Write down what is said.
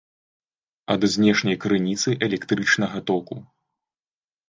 Ад знешняй крыніцы электрычнага току